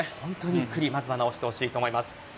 ゆっくりまずは治してほしいと思います。